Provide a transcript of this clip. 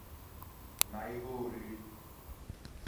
na ihe oriri